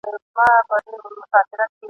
هره دقيقه او ساعت دونه ارزښت لري چي هېڅ ځای ..